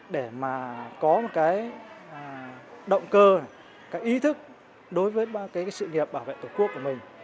để mà có một cái động cơ cái ý thức đối với cái sự nghiệp bảo vệ tổ quốc của mình